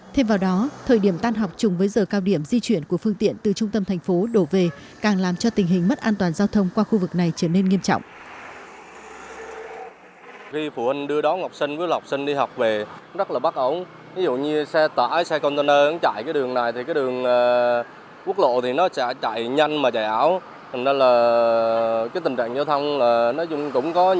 thêm vào đó thời điểm tan học chung với giờ cao điểm di chuyển của phương tiện từ trung tâm thành phố đổ về càng làm cho tình hình mất an toàn giao thông qua khu vực này trở nên nghiêm trọng